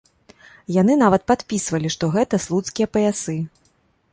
Яны нават падпісвалі, што гэта слуцкія паясы.